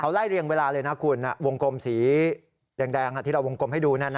ไล่เรียงเวลาเลยนะคุณวงกลมสีแดงที่เราวงกลมให้ดูนั่น